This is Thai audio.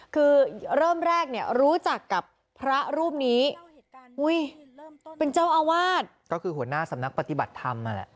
คือเริ่มแรกเนี่ยรู้จักกับพระรูปนี้อุ้ยเป็นเจ้าอาวาสก็คือหัวหน้าสำนักปฏิบัติธรรมนั่นแหละ